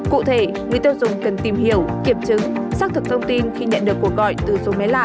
cụ thể người tiêu dùng cần tìm hiểu kiểm chứng xác thực thông tin khi nhận được cuộc gọi từ số máy lạ